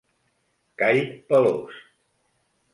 Call pelós.